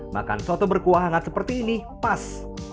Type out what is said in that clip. makan soto berkuah hangat seperti ini pas